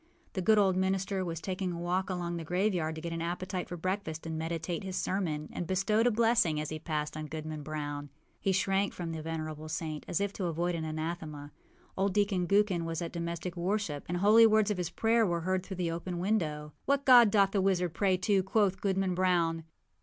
The good old minister was taking a walk along the graveyard to get an appetite for breakfast and meditate his sermon, and bestowed a blessing, as he passed, on Goodman Brown. He shrank from the venerable saint as if to avoid an anathema. Old Deacon Gookin was at domestic worship, and the holy words of his prayer were heard through the open window. âWhat God doth the wizard pray to?â quoth Goodman Brown.